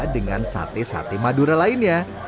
dengan sate sate madura lainnya